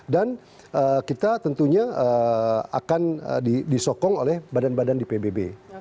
dan kita tentunya akan disokong oleh badan badan di pbb